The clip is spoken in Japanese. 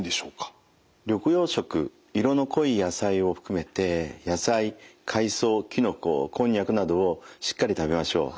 緑黄色色の濃い野菜を含めて野菜海藻きのここんにゃくなどをしっかり食べましょう。